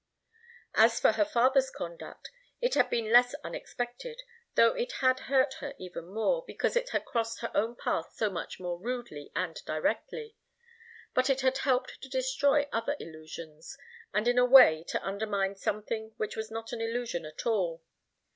As for her father's conduct, it had been less unexpected, though it had hurt her even more, because it had crossed her own path so much more rudely and directly. But it had helped to destroy other illusions, and in a way to undermine something which was not an illusion at all.